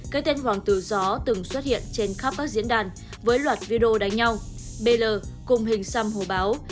cái tên hoàng tử gió từng xuất hiện trên khắp các diễn đàn với loạt video đánh nhau bl cùng hình xăm hồ báo